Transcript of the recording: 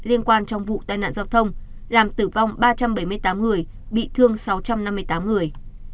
liên quan trong vụ tai nạn giao thông làm tử vong ba trăm bảy mươi tám người bị thương sáu trăm năm mươi tám người